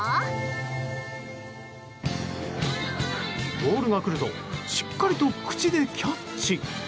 ボールが来るとしっかりと口でキャッチ。